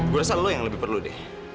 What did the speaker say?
gue rasa lo yang lebih perlu deh